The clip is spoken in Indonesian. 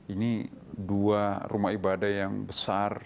ini dua rumah ibadah yang besar